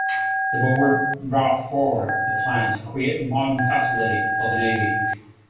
The board brought forward a plan to create a modern facility for the Navy.